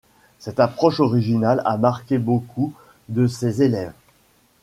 Cette approche originale a marqué beaucoup de ses élèves.